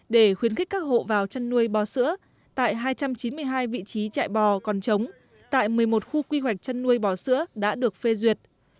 để khuyến khích các hộ vào chăn nuôi bò sữa tại hai trăm chín mươi hai vị trí chạy bò còn chống tại một mươi một khu quy hoạch chăn nuôi bò sữa đã được phê duyệt